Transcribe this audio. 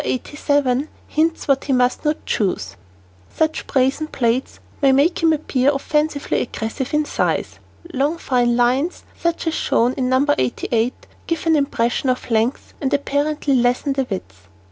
87 hints what he must not choose. Such brazen plaids only make him appear offensively aggressive in size. Long, fine lines, such as shown in No. 88, give an impression of length and apparently lessen the width.